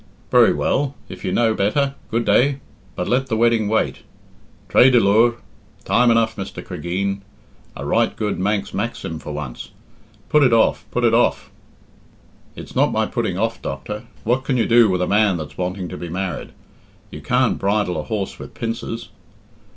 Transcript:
"Very well, if you know better. Good day! But let the wedding wait. Traa dy liooar time enough, Mr. Cregeen. A right good Manx maxim for once. Put it off put it off!" "It's not my putting off, doctor. What can you do with a man that's wanting to be married? You can't bridle a horse with pincers."